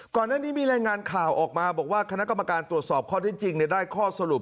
ก่อนหน้านี้มีรายงานข่าวออกมาบอกว่าคณะกรรมการตรวจสอบข้อที่จริงได้ข้อสรุป